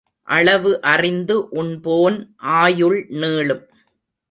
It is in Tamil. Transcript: அளவு அறிந்து உண்போன் ஆயுள் நீளும்.